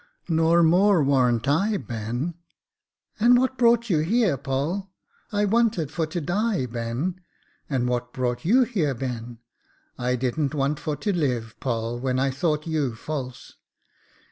Nor more warn't I, Ben.' ' And what brought you here, Poll ?'' I wanted for to die, Ben. And what brought you here, Ben ?'"' I didn't want for to live. Poll, when I thought you false.'